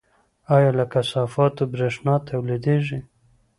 آیا له کثافاتو بریښنا تولیدیږي؟